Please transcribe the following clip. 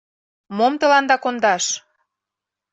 — Мом тыланда кондаш?